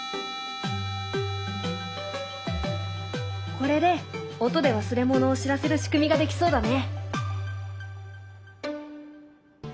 これで音で忘れ物を知らせる仕組みができそうだね。